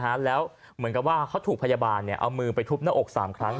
เหมือนกับว่าเขาถูกพยาบาลเอามือไปทุบหน้าอก๓ครั้ง